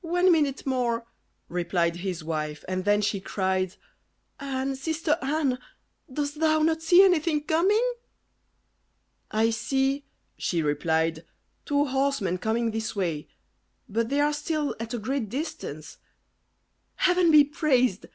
"One minute more," replied his wife, and then she cried, "Anne! sister Anne! dost thou not see anything coming?" "I see," she replied, "two horsemen coming this way; but they are still at a great distance." "Heaven be praised!"